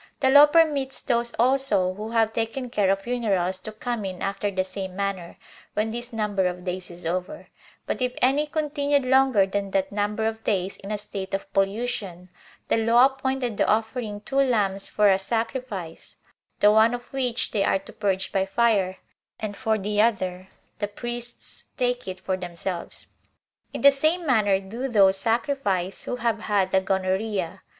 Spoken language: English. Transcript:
The law permits those also who have taken care of funerals to come in after the same manner, when this number of days is over; but if any continued longer than that number of days in a state of pollution, the law appointed the offering two lambs for a sacrifice; the one of which they are to purge by fire, and for the other, the priests take it for themselves. In the same manner do those sacrifice who have had the gonorrhea.